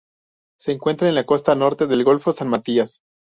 Se encuentra en la costa norte del Golfo San Matías.